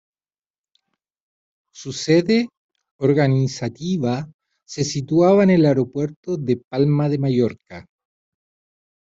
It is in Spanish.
Su sede organizativa se situaba en el aeropuerto de Palma de Mallorca.